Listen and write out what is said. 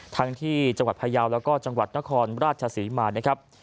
ทั้งที่จังหวัดพยาวแล้วก็จังหวัดนครราชศรีมานะครับ